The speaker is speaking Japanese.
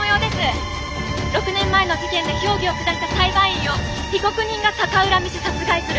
６年前の事件で評議を下した裁判員を被告人が逆恨みし殺害する。